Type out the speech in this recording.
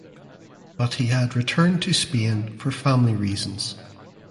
But he had returned to Spain for family reasons.